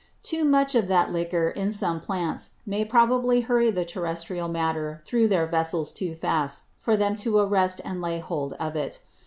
Too much of that Liquor, in some Plants, may probably hurry the Terrestrial Matter thorough their Vessels too fast for them to arrest and lay hold of it.